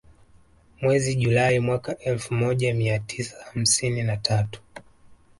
Mwezi Julai mwaka elfu moja mia tisa hamsini na tatu